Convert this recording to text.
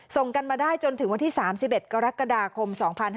ส่งกันมาได้จนถึงวันที่๓๑กรกฎาคม๒๕๕๙